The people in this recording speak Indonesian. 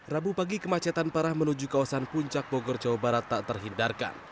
rabu pagi kemacetan parah menuju kawasan puncak bogor jawa barat tak terhindarkan